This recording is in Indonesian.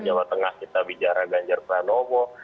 jawa tengah kita bicara ganjar pranowo